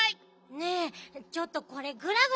ねえちょっとこれグラグラしてるわよ。